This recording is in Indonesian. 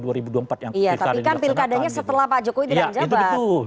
iya tapi kan pilkadanya setelah pak jokowi tidak menjabat